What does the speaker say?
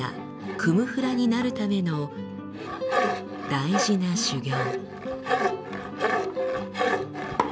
クム・フラになるための大事な修業。